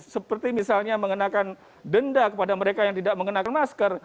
seperti misalnya mengenakan denda kepada mereka yang tidak mengenakan masker